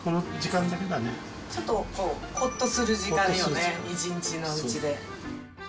ちょっと、ほっとする時間よね、一日のうちで。